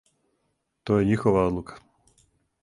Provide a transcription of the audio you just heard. То је њихова одлука.